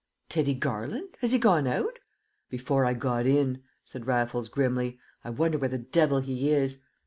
"Teddy Garland? Has he gone out?" "Before I got in," said Raffles, grimly. "I wonder where the devil he is!"